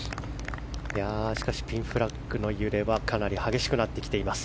しかし、ピンフラッグの揺れはかなり激しくなってきています。